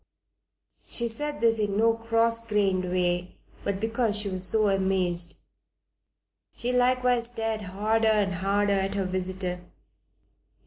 She said this in no cross grained way, but because she was so amazed. She likewise stared harder and harder at her visitor.